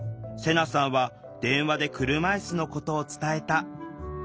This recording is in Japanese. セナさんは電話で車いすのことを伝えた。